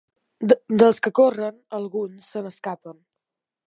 Dels que corren, alguns se n'escapen.